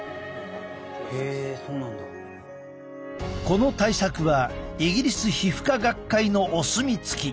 この対策はイギリス皮膚科学会のお墨付き。